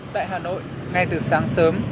tại hà nội ngay từ sáng sớm